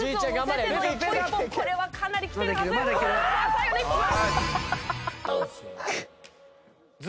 これはかなりきてるはず。